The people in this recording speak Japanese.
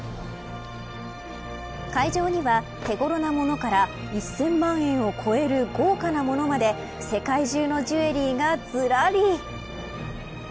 会場には手頃な物から１０００万円を超える豪華な物まで世界中のジュエリーがずらり。